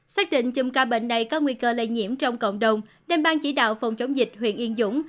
xác định chùm ca bệnh này có nguy cơ lây nhiễm trong cộng đồng nên ban chỉ đạo phòng chống dịch huyện yên dũng